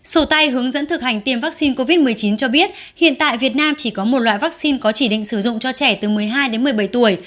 sổ tay hướng dẫn thực hành tiêm vaccine covid một mươi chín cho biết hiện tại việt nam chỉ có một loại vaccine có chỉ định sử dụng cho trẻ từ một mươi hai đến một mươi bảy tuổi